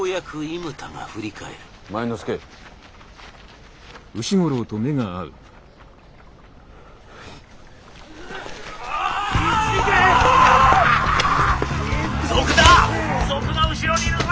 賊が後ろにいるぞ！」。